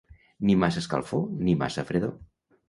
Ni massa escalfor ni massa fredor.